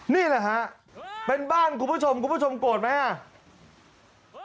นี่แหละฮะเป็นบ้านคุณผู้ชมคุณผู้ชมโกรธไหมอ่ะ